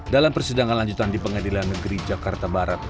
dalam persidangan lanjutan di pengadilan negeri jakarta barat